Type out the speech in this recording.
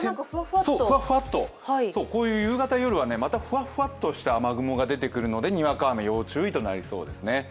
ふわっふわっと、夕方、夜はふわっふわっとした雲が出てくるのでにわか雨、要注意となりそうですね。